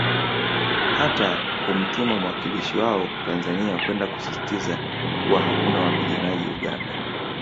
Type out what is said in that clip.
Hata kumtuma mwakilishi wao Tanzania kwenda kusisisitiza kuwa hakuna wapiganajji Uganda